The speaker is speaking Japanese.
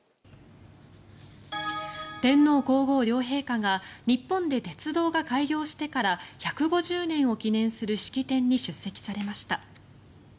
天皇・皇后両陛下が日本で鉄道が開業してから１５０年を記念する式典に出席されました。